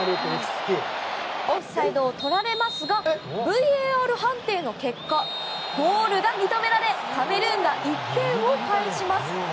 オフサイドをとられますがＶＡＲ判定の結果ゴールが認められカメルーンが１点を返します。